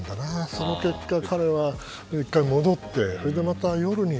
その結果、彼は１回、戻ってまた夜に。